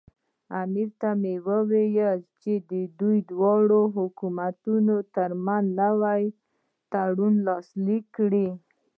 امیر ته ووایي چې د دواړو حکومتونو ترمنځ نوی تړون لاسلیک کړي.